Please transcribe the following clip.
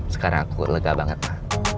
sekarang aku lega banget lah